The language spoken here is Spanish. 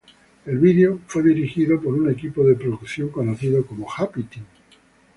El video fue dirigido por un equipo de producción conocido como Happy Team.